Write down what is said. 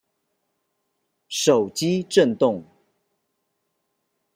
手機震動